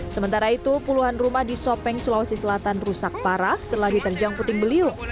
sementara itu puluhan rumah di sopeng sulawesi selatan rusak parah setelah diterjang puting beliung